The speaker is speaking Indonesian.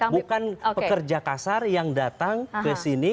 bukan pekerja kasar yang datang ke sini